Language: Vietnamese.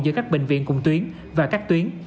giữa các bệnh viện cùng tuyến và các tuyến